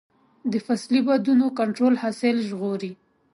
د فصلي بادونو کنټرول حاصل ژغوري.